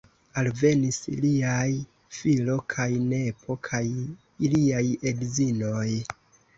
Alvenis liaj filo kaj nepo kaj iliaj edzinoj.